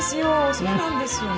そうなんですよね。